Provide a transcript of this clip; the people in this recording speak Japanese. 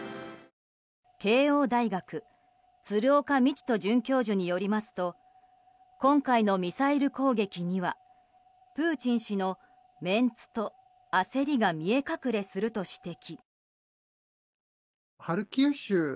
慶應大学鶴岡路人准教授によりますと今回のミサイル攻撃にはプーチン氏のメンツと焦りが見え隠れすると指摘。